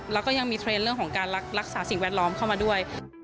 แล้วก็ยังมีเทรนด์เรื่องของการรักษาสิ่งแวดล้อมเข้ามาด้วย